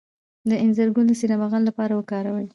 د انځر ګل د سینه بغل لپاره وکاروئ